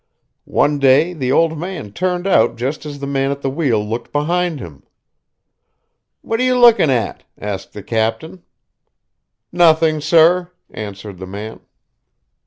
One day the old man turned out just as the man at the wheel looked behind him. "What are you looking at?" asked the captain. "Nothing, sir," answered the man.